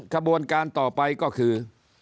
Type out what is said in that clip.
ขบวนการต่อไปก็คือ